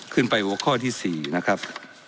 ขึ้นไปกับข้อที่สี่นะครับ